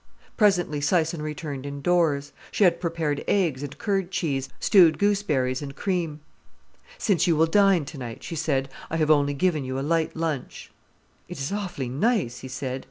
Presently Syson returned indoors. She had prepared eggs and curd cheese, stewed gooseberries and cream. "Since you will dine tonight," she said, "I have only given you a light lunch." "It is awfully nice," he said.